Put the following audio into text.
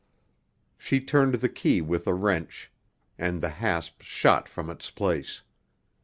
She turned the key with a wrench, and the hasp shot from its place.